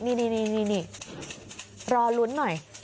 นี่รอลุ้นหน่อย